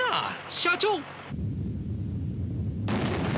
社長！